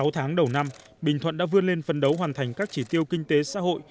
sáu tháng đầu năm bình thuận đã vươn lên phân đấu hoàn thành các chỉ tiêu kinh tế xã hội